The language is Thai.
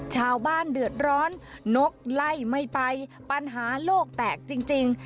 ชาวบ้านเดือดร้อนนกไล่ไม่ไปปัญหาโลกแตกจริง